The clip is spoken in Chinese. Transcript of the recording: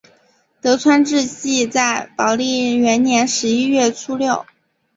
德川治济在宝历元年十一月初六。